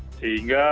terima kasih juga pak